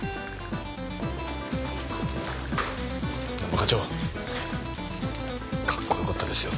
課長かっこよかったですよ。